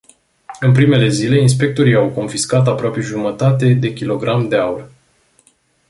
În primele zile inspectorii au confiscat aproape jumătate de kilogram de aur.